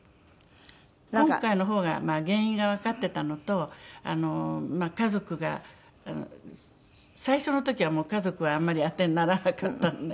今回の方がまあ原因がわかってたのとまあ家族が最初の時は家族はあんまり当てにならなかったのね。